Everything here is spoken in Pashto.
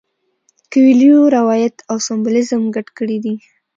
کویلیو روایت او سمبولیزم ګډ کړي دي.